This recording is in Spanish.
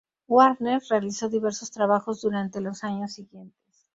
Warner realizó diversos trabajos durante los años siguientes.